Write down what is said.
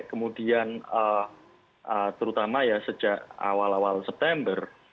kemudian terutama ya sejak awal awal september